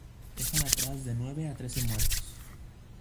Dejan atrás de nueve a trece muertos.